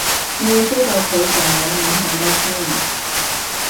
你要追到佢就唔好諗咁多先